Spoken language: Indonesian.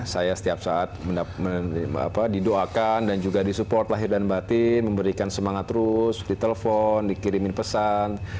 saya setiap saat didoakan dan juga disupport lahir dan batin memberikan semangat terus ditelepon dikirimin pesan